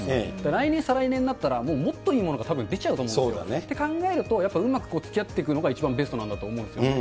来年、再来年になったらもっといいものがたぶん出ちゃうと思うんですよ。って考えると、うまくつきあっていくのがベストなんだと思うんですけどね。